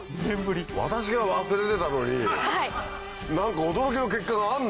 私が忘れてたのに何か驚きの結果があるの？